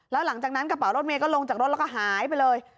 แล้วหลังจากนั้นกระเป๋ารถเมย์ก็ลงจากรถแล้วก็หายไปเลย